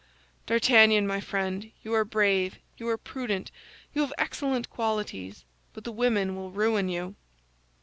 D'Artagnan, my friend, you are brave, you are prudent, you have excellent qualities; but the women will ruin you!"